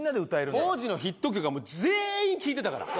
当時のヒット曲はもう全員聴いてたから！